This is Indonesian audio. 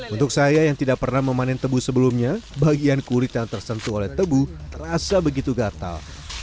untuk saya yang tidak pernah memanen tebu sebelumnya bagian kulit yang tersentuh oleh tebu terasa begitu gatal